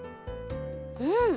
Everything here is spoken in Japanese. うん！